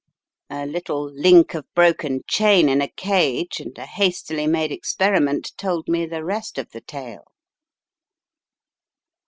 A little link of broken chain in a cage and a hastily made experi ment told me the rest of the tale."